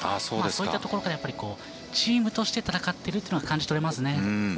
そういったところからチームとして戦っているのが感じ取れます。